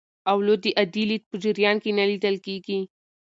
اولو د عادي لید په جریان کې نه لیدل کېږي.